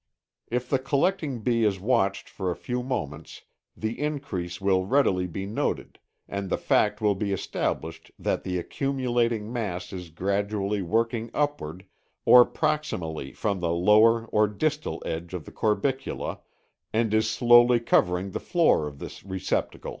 (Original.)] If the collecting bee is watched for a few moments the increase will readily be noted and the fact will be established that the accumulating mass is gradually working upward or proximally from the lower or distal edge of the corbicula and is slowly covering the floor of this receptacle.